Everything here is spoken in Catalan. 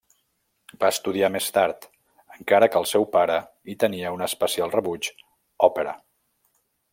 Va estudiar més tard, encara que el seu pare hi tenia un especial rebuig, òpera.